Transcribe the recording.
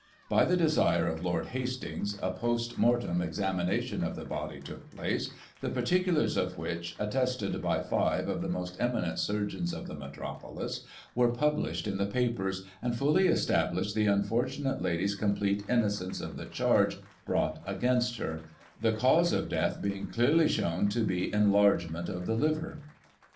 By the desire of Lord Hastings, a post mortem examination of the body took place, the particulars of which, attested by five of the most eminent surgeons of the metropolis, were pub lished in the papers, and fully established the imfortimate lady's complete innocence of the charge brought against her, the cause of death being clearly shown to be enlargement of the liver.